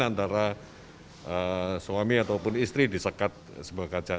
antara suami ataupun istri disekat sebuah kaca